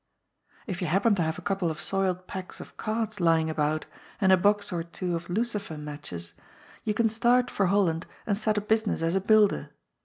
If you happen to have a couple of soiled packs of cards lying about, and a box or two of lucif er matches, you can 850 QOI>'S FOOL. start for Holland and set up business as a builder.